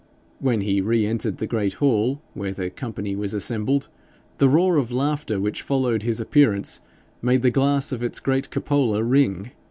When he re entered the great hall, where the company was assembled, the roar of laughter which followed his appearance made the glass of its great cupola ring again.